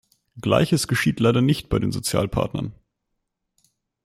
Gleiches geschieht leider nicht bei den Sozialpartnern.